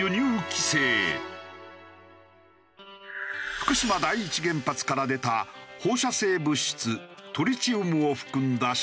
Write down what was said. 福島第一原発から出た放射性物質トリチウムを含んだ処理水。